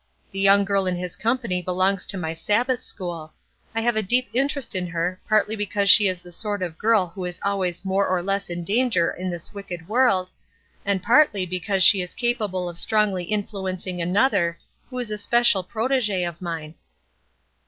The young girl in his company belongs to my Sabbath school. I have a deep interest in her, partly because she is the sort of girl who is always more or less in danger in this wicked world, and partly because she is capable of strongly influencing another, who is a special protégé of mine."